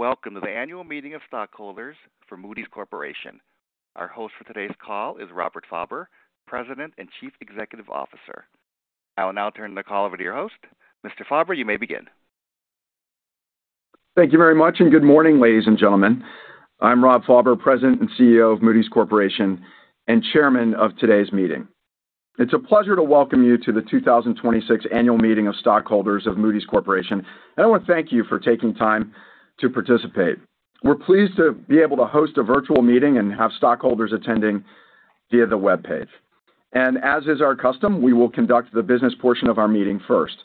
Welcome to the Annual meeting of stockholders for Moody's Corporation. Our host for today's call is Robert Fauber, President and Chief Executive Officer. I will now turn the call over to your host. Mr. Fauber, you may begin. Thank you very much, and good morning, ladies and gentlemen. I'm Rob Fauber, President and CEO of Moody's Corporation and Chairman of today's meeting. It's a pleasure to welcome you to the 2026 Annual Meeting of Stockholders of Moody's Corporation, and I want to thank you for taking time to participate. We're pleased to be able to host a virtual meeting and have stockholders attending via the webpage. As is our custom, we will conduct the business portion of our meeting first.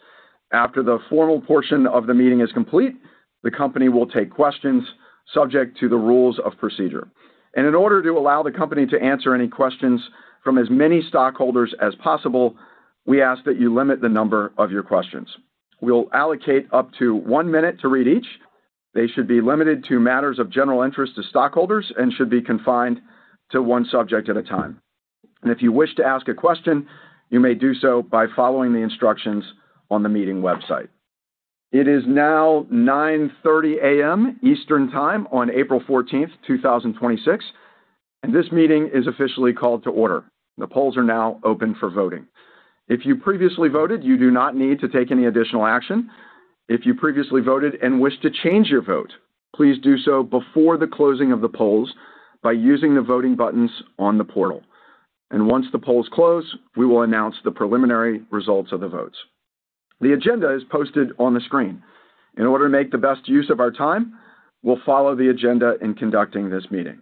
After the formal portion of the meeting is complete, the company will take questions subject to the rules of procedure. In order to allow the company to answer any questions from as many stockholders as possible, we ask that you limit the number of your questions. We'll allocate up to one minute to read each. They should be limited to matters of general interest to stockholders and should be confined to one subject at a time. If you wish to ask a question, you may do so by following the instructions on the meeting website. It is now 9:30 A.M. Eastern Time on April 14th, 2026, and this meeting is officially called to order. The polls are now open for voting. If you previously voted, you do not need to take any additional action. If you previously voted and wish to change your vote, please do so before the closing of the polls by using the voting buttons on the portal. Once the polls close, we will announce the preliminary results of the votes. The agenda is posted on the screen. In order to make the best use of our time, we'll follow the agenda in conducting this meeting.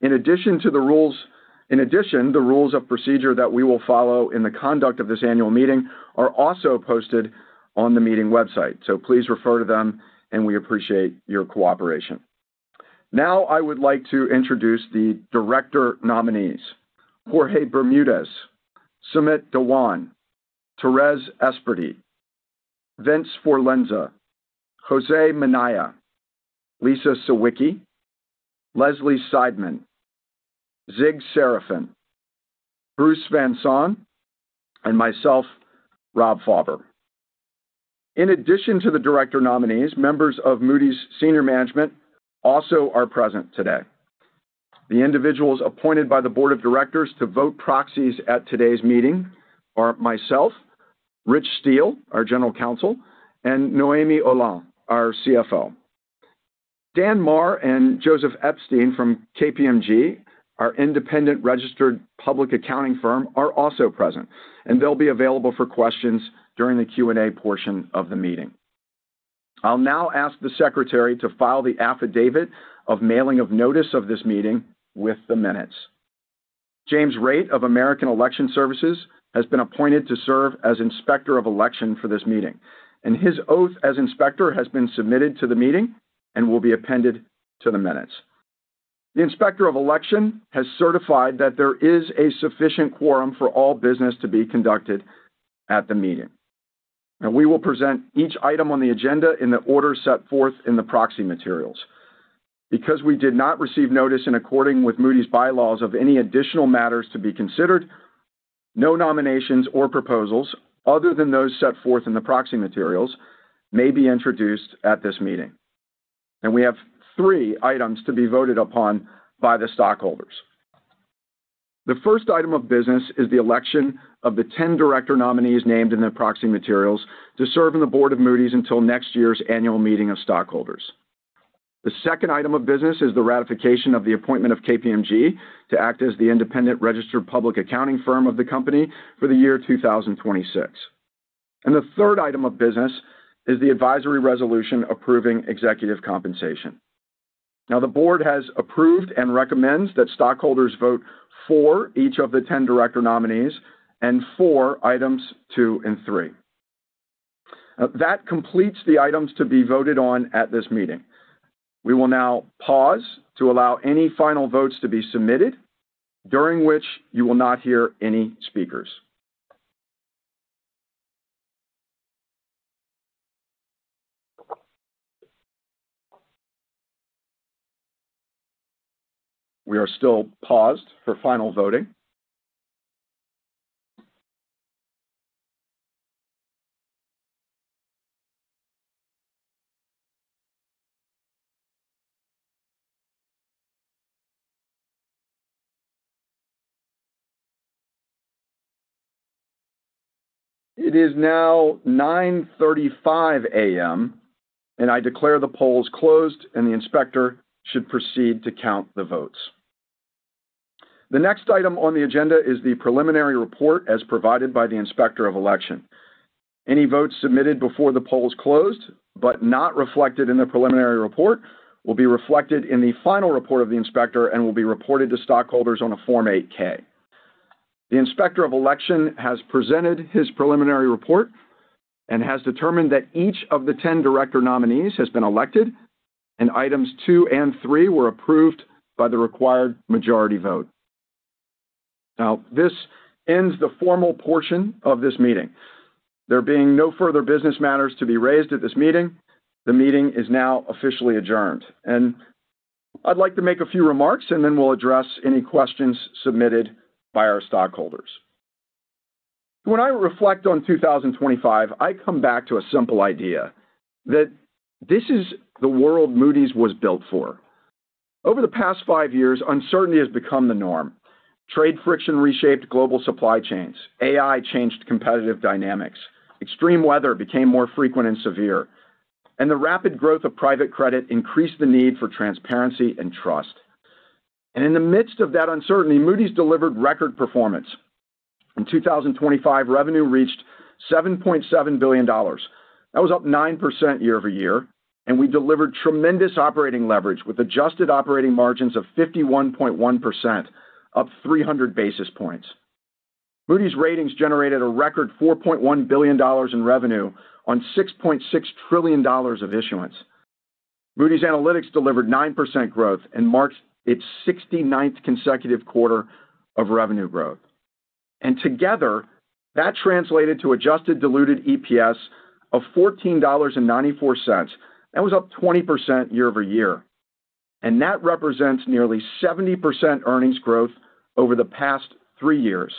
In addition, the rules of procedure that we will follow in the conduct of this Annual Meeting are also posted on the meeting website. Please refer to them and we appreciate your cooperation. Now, I would like to introduce the Director Nominees, Jorge Bermudez, Sumit Dhawan, Thérèse Esperdy, Vince Forlenza, José Minaya, Lisa Sawicki, Leslie Seidman, Zig Serafin, Bruce Van Saun, and myself, Rob Fauber. In addition to the Director Nominees, members of Moody's Senior Management also are present today. The individuals appointed by the Board of Directors to vote proxies at today's meeting are myself, Rich Steele, our General Counsel, and Noémie Heuland, our CFO. Dan Marr and Joseph Epstein from KPMG, our Independent Registered Public Accounting Firm, are also present, and they'll be available for questions during the Q&A portion of the meeting. I'll now ask the Secretary to file the affidavit of mailing of notice of this meeting with the minutes. James Raitt of American Election Services has been appointed to serve as Inspector of Election for this meeting, and his oath as Inspector has been submitted to the meeting and will be appended to the minutes. The Inspector of Election has certified that there is a sufficient quorum for all business to be conducted at the meeting. Now we will present each item on the agenda in the order set forth in the proxy materials. Because we did not receive notice in accordance with Moody's Bylaws of any additional matters to be considered, no nominations or proposals other than those set forth in the proxy materials may be introduced at this meeting. We have three items to be voted upon by the stockholders. The first item of business is the election of the 10 Director nominees named in the proxy materials to serve on the Board of Moody's until next year's annual meeting of stockholders. The second item of business is the ratification of the appointment of KPMG to act as the independent registered public accounting firm of the Company for the year 2026. The third item of business is the advisory resolution approving executive compensation. Now the Board has approved and recommends that stockholders vote for each of the 10 Director nominees and for items two and three. That completes the items to be voted on at this meeting. We will now pause to allow any final votes to be submitted, during which you will not hear any speakers. We are still paused for final voting. It is now 9:35 A.M. I declare the polls closed, and the Inspector should proceed to count the votes. The next item on the agenda is the preliminary report as provided by the Inspector of Election. Any votes submitted before the polls closed but not reflected in the preliminary report will be reflected in the final report of the Inspector and will be reported to stockholders on a Form 8-K. The Inspector of Election has presented his preliminary report and has determined that each of the 10 Director nominees has been elected. Items two and three were approved by the required majority vote. Now, this ends the formal portion of this meeting. There being no further business matters to be raised at this meeting, the meeting is now officially adjourned. I'd like to make a few remarks, and then we'll address any questions submitted by our stockholders. When I reflect on 2025, I come back to a simple idea, that this is the world Moody's was built for. Over the past five years, uncertainty has become the norm. Trade friction reshaped global supply chains. AI changed competitive dynamics. Extreme weather became more frequent and severe. The rapid growth of private credit increased the need for transparency and trust. In the midst of that uncertainty, Moody's delivered record performance. In 2025, revenue reached $7.7 billion. That was up 9% year-over-year, and we delivered tremendous operating leverage with Adjusted operating margins of 51.1%, up 300 basis points. Moody's Ratings generated a record $4.1 billion in revenue on $6.6 trillion of issuance. Moody's Analytics delivered 9% growth and marked its 69th consecutive quarter of revenue growth. Together, that translated to Adjusted Diluted EPS of $14.94. That was up 20% year-over-year. That represents nearly 70% earnings growth over the past three years,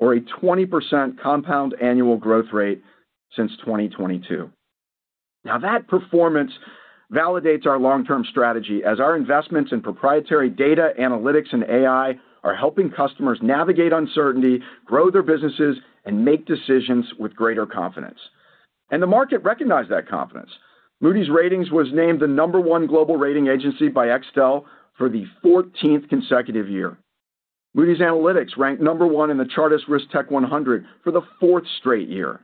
or a 20% compound annual growth rate since 2022. Now that performance validates our long-term strategy as our investments in proprietary data analytics and AI are helping customers navigate uncertainty, grow their businesses, and make decisions with greater confidence. The market recognized that confidence. Moody's Ratings was named the number one global rating agency by Extel for the 14th consecutive year. Moody's Analytics ranked number one in the Chartis RiskTech100 for the fourth straight year.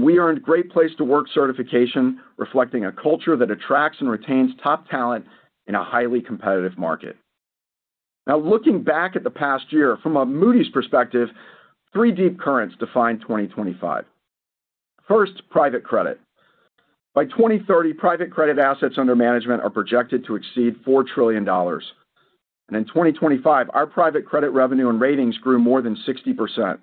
We earned Great Place To Work certification, reflecting a culture that attracts and retains top talent in a highly competitive market. Now looking back at the past year from a Moody's perspective, three deep currents defined 2025. First, private credit. By 2030, private credit assets under management are projected to exceed $4 trillion. In 2025, our private credit revenue and ratings grew more than 60%.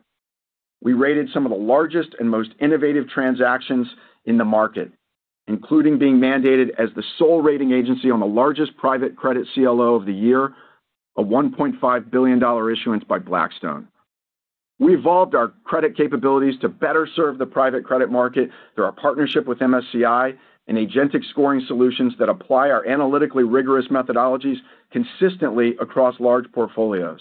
We rated some of the largest and most innovative transactions in the market, including being mandated as the sole rating agency on the largest private credit CLO of the year, a $1.5 billion issuance by Blackstone. We evolved our credit capabilities to better serve the private credit market through our partnership with MSCI and agentic scoring solutions that apply our analytically rigorous methodologies consistently across large portfolios.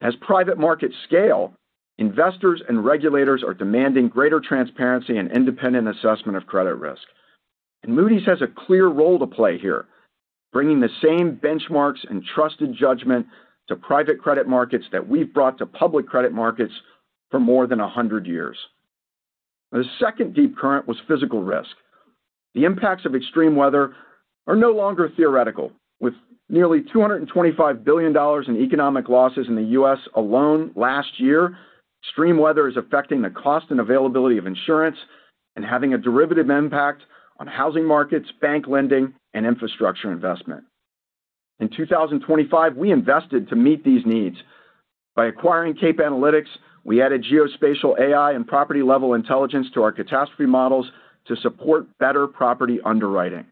As private markets scale, investors and regulators are demanding greater transparency and independent assessment of credit risk. Moody's has a clear role to play here, bringing the same benchmarks and trusted judgment to private credit markets that we've brought to public credit markets for more than 100 years. The second deep current was physical risk. The impacts of extreme weather are no longer theoretical. With nearly $225 billion in economic losses in the US alone last year, extreme weather is affecting the cost and availability of insurance and having a derivative impact on housing markets, bank lending, and infrastructure investment. In 2025, we invested to meet these needs. By acquiring CAPE Analytics, we added geospatial AI and property-level intelligence to our catastrophe models to support better property underwriting.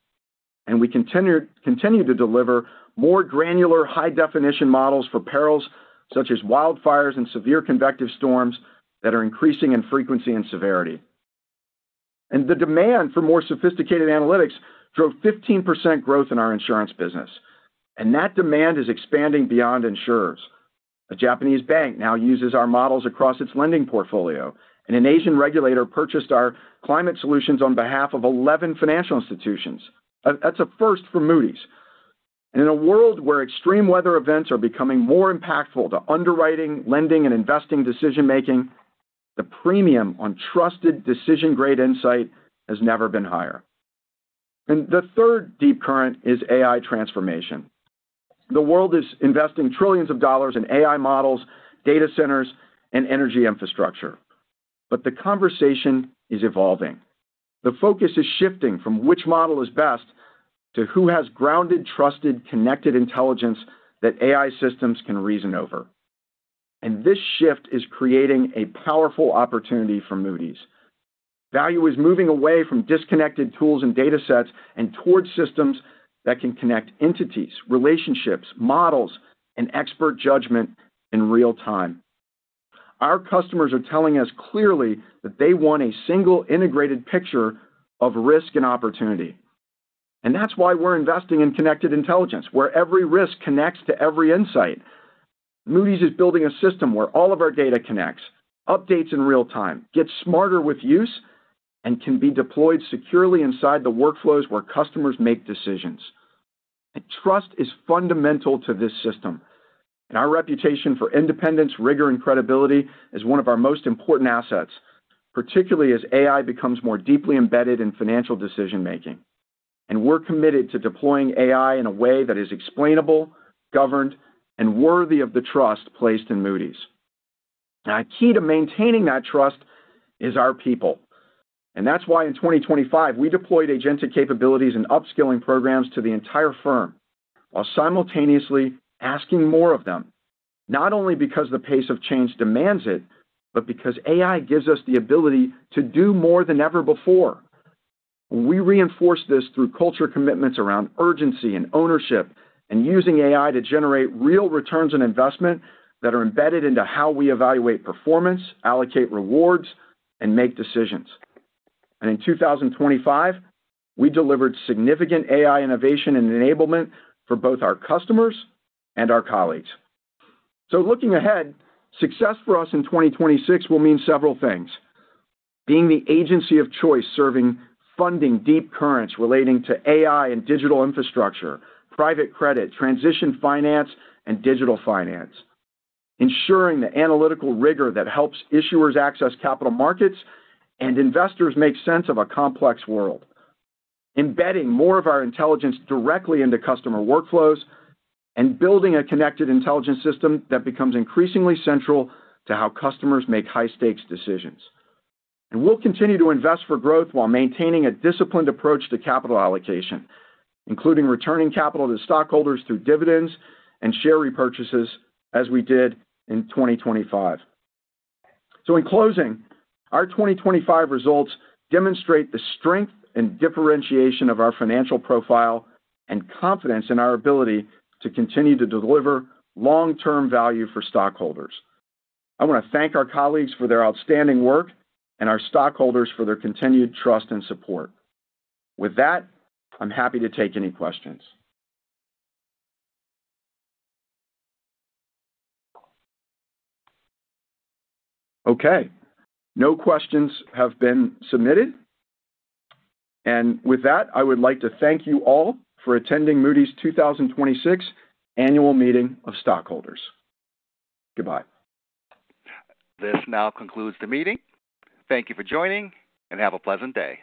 And we continue to deliver more granular high-definition models for perils such as wildfires and severe convective storms that are increasing in frequency and severity. And the demand for more sophisticated analytics drove 15% growth in our insurance business. And that demand is expanding beyond insurers. A Japanese bank now uses our models across its lending portfolio, and an Asian regulator purchased our climate solutions on behalf of 11 financial institutions. That's a first for Moody's. In a world where extreme weather events are becoming more impactful to underwriting, lending, and investing decision-making, the premium on trusted decision-grade insight has never been higher. The third deep current is AI transformation. The world is investing trillions of dollars in AI models, data centers, and energy infrastructure. The conversation is evolving. The focus is shifting from which model is best to who has grounded, trusted, connected intelligence that AI systems can reason over. This shift is creating a powerful opportunity for Moody's. Value is moving away from disconnected tools and datasets and towards systems that can connect entities, relationships, models, and expert judgment in real time. Our customers are telling us clearly that they want a single integrated picture of risk and opportunity. That's why we're investing in connected intelligence, where every risk connects to every insight. Moody's is building a system where all of our data connects, updates in real time, gets smarter with use, and can be deployed securely inside the workflows where customers make decisions. Trust is fundamental to this system, and our reputation for independence, rigor, and credibility is one of our most important assets, particularly as AI becomes more deeply embedded in financial decision-making. We're committed to deploying AI in a way that is explainable, governed, and worthy of the trust placed in Moody's. Now, key to maintaining that trust is our people, and that's why in 2025, we deployed agentic capabilities and upskilling programs to the entire firm while simultaneously asking more of them, not only because the pace of change demands it, but because AI gives us the ability to do more than ever before. We reinforce this through culture commitments around urgency and ownership and using AI to generate real returns on investment that are embedded into how we evaluate performance, allocate rewards, and make decisions. In 2025, we delivered significant AI innovation and enablement for both our customers and our colleagues. Looking ahead, success for us in 2026 will mean several things, being the agency of choice, serving four deep currents relating to AI and digital infrastructure, private credit, transition finance, and digital finance. Ensuring the analytical rigor that helps issuers access capital markets and investors make sense of a complex world, embedding more of our intelligence directly into customer workflows, and building a connected intelligence system that becomes increasingly central to how customers make high-stakes decisions. We'll continue to invest for growth while maintaining a disciplined approach to capital allocation, including returning capital to stockholders through dividends and share repurchases, as we did in 2025. In closing, our 2025 results demonstrate the strength and differentiation of our financial profile and confidence in our ability to continue to deliver long-term value for stockholders. I want to thank our colleagues for their outstanding work and our stockholders for their continued trust and support. With that, I'm happy to take any questions. Okay, no questions have been submitted. With that, I would like to thank you all for attending Moody's 2026 Annual Meeting of Stockholders. Goodbye. This now concludes the meeting. Thank you for joining, and have a pleasant day.